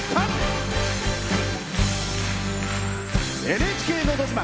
「ＮＨＫのど自慢」。